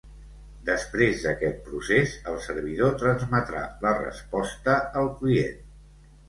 Després d'aquest procés, el servidor transmetrà la resposta al client.